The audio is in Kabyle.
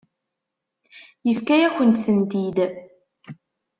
Tefka-yakent-tent-id.